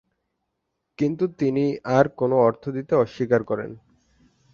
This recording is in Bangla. কিন্তু তিনি আর কোনও অর্থ দিতে অস্বীকার করেন।